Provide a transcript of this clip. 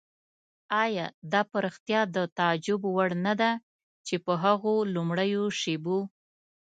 آیا دا په رښتیا د تعجب وړ نه ده چې په هغو لومړیو شېبو.